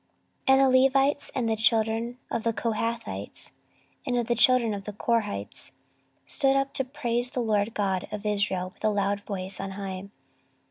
14:020:019 And the Levites, of the children of the Kohathites, and of the children of the Korhites, stood up to praise the LORD God of Israel with a loud voice on high.